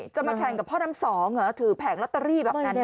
จะมาแข่งกับพ่อดำ๒ถือแผงล็อตเตอรี่แบบนั้นนะ